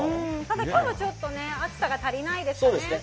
今日はちょっと暑さが足りないですかね。